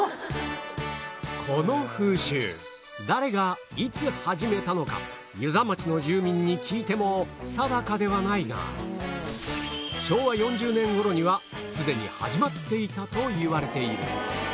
この風習誰がいつ始めたのか遊佐町の住民に聞いても定かではないが昭和４０年頃にはすでに始まっていたといわれている